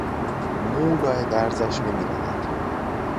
مو لای درزش نمیرود.